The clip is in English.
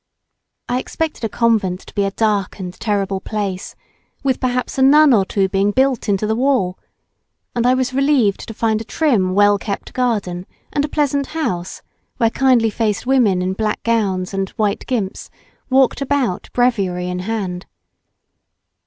I expected a convent to be a dark and terrible place, with perhaps a nun or two being built into the wall, and I was relieved to find a trim, well kept garden and a pleasant house, where kindly faced women in black gowns and white guimpes walked about breviary in hand.